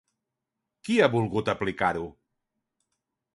Qui ha volgut aplicar-ho?